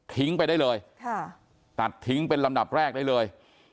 ไปได้เลยตัดทิ้งเป็นลำดับแรกได้เลย